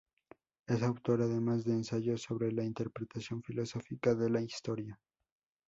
Es autor, además, de ensayos sobre la interpretación filosófica de la historia.